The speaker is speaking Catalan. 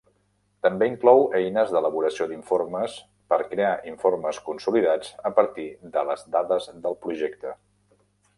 També inclou eines d'elaboració d'informes per crear informes consolidats a partir de les dades del projecte.